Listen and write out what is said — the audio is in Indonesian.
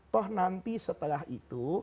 toh nanti setelah itu